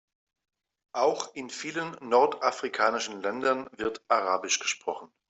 Auch in vielen nordafrikanischen Ländern wird arabisch gesprochen.